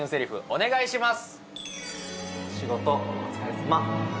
お願いします！